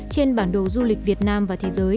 trên bản đồ du lịch việt nam và thế giới